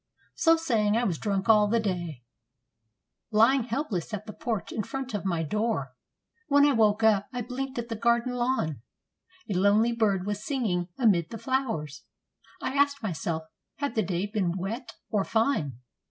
â So saying, I was drunk all the day, Lying helpless at the porch in front of my door. When I woke up, I blinked at the garden lawn; A lonely bird was singing amid the flowers. I asked myself, had the day been wet or fine?